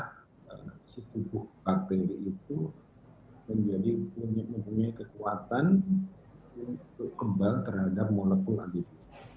ini adalah yang mengubah tubuh bakteri itu menjadi punya kekuatan untuk kembang terhadap molekul antibiotik